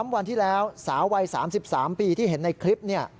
วันที่แล้วสาววัย๓๓ปีที่เห็นในคลิป